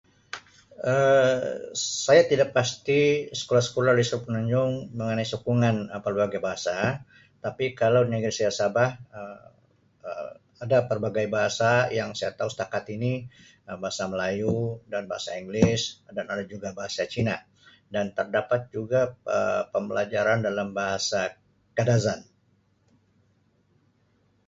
Um Saya tidak pasti sekolah-sekolah di semenanjung mengenai sokongan pelbagai bahasa tapi kalau negeri saya Sabah Um ada pelbagai bahasa yang saya tau setakat ini bahasa Melayu dan bahasa English dan ada juga bahasa Cina dan terdapat juga Um pembelajaran dalam bahasa Kadazan.